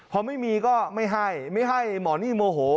พอไม่มีก็ไม่ให้ไม่ให้หมอนี่โมโห